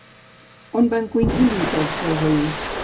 On van coincidir tots dos ahir?